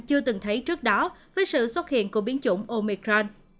chưa từng thấy trước đó với sự xuất hiện của biến chủng omicran